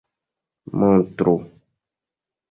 montru